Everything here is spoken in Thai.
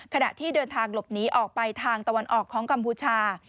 ขณะที่เดินทางหลบหนีออกไปทางตะวันออกของกัมพูชา